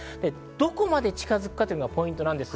どこまで近づくかというのがポイントです。